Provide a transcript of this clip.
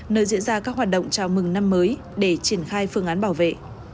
nơi diễn ra các hoạt động chào mừng năm mới để triển khai phương án bảo vệ